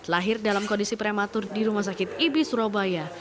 lahir dalam kondisi prematur di rumah sakit ibi surabaya